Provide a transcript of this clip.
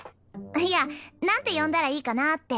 いやなんて呼んだらいいかなって。